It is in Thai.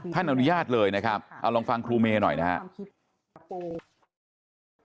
อนุญาตเลยนะครับเอาลองฟังครูเมย์หน่อยนะครับ